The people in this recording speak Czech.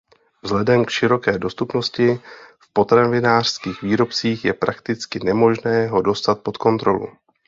Vzhledem k široké dostupnosti v potravinářských výrobcích je prakticky nemožné ho dostat pod kontrolu.